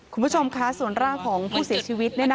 คุณผู้ชมคะส่วนร่างของผู้เสียชีวิต